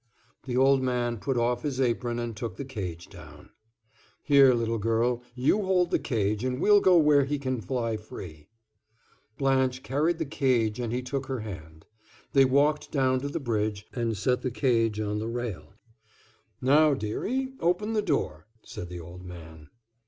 The old man put off his apron and took the cage down. "Here, little girl, you hold the cage, and we'll go where he can fly free." Blanche carried the cage and he took her hand. They walked down to the bridge, and set the cage on the rail. "Now, dearie, open the door," said the old man.